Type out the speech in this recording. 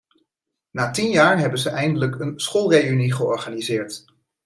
Na tien jaar hebben ze eindelijk een schoolreünie georganiseerd.